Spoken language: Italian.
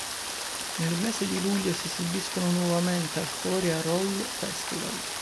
Nel mese di luglio si esibiscono nuovamente al Koria-Roll festival.